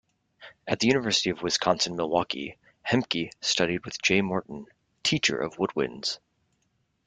At the University of Wisconsin-Milwaukee, Hemke studied with Jay Morton, teacher of woodwinds.